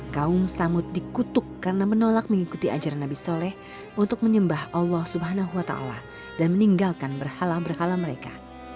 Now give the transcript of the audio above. kaum samud dikutuk karena menolak mengikuti ajaran nabi soleh untuk menyembah allah swt dan meninggalkan berhala berhala mereka